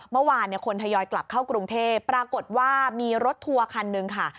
เมื่อวานคนทยอยกลับเข้ากรุงเทพปรากฏว่ามีรถทัวร์คันหนึ่งค่ะ